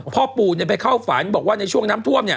พ่อปู่ไปข้าวฝรก์บอกว่าในช่วงน้ำท่วมเนี่ย